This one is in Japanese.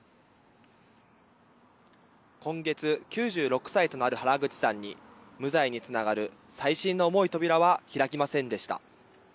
今月９６歳となる原口さんに無罪につながる再審の重い扉は開きませんでした。